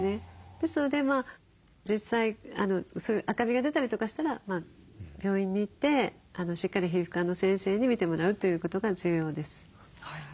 ですので実際赤みが出たりとかしたら病院に行ってしっかり皮膚科の先生に診てもらうということが重要です。